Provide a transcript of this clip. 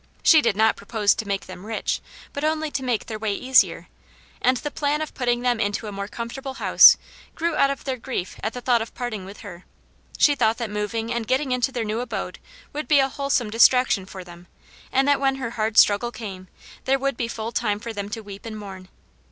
She did not propose to make them rich, but only to make their way easier. And the plan of putting them into a more comfortable house, grew out of their grief at the thought of parting with her. She thought that moving and getting into their new abode would be a wholesome distrac tion for them, and that when her hard struggle came, there would be full time for them to weep , and mourn.